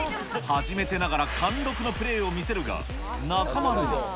初めてながら貫禄のプレーを見せるが、中丸は。